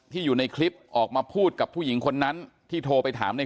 อยู่ในคลิปออกมาพูดกับผู้หญิงคนนั้นที่โทรไปถามใน